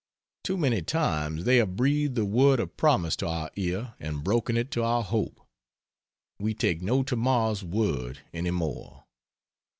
Too many times they have breathed the word of promise to our ear and broken it to our hope. We take no tomorrow's word any more.